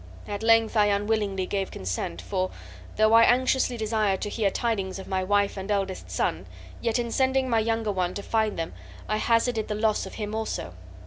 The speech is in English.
At length I unwillingly gave consent, for, though I anxiously desired to hear tidings of my wife and eldest son, yet in sending my younger one to find them I hazarded the loss of him also.